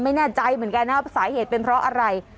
ไม่แน่ใจเหมือนกันนะว่าสาเหตุเป็นเพราะอะไร